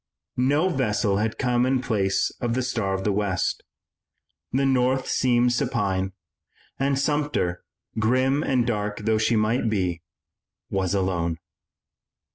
No vessel had come in place of the Star of the West. The North seemed supine, and Sumter, grim and dark though she might be, was alone.